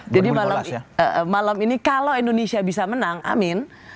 jadi malam ini kalau indonesia bisa menang amin